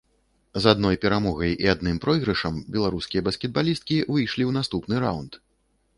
З адной перамогай і адным пройгрышам беларускія баскетбалісткі выйшлі ў наступны раўнд.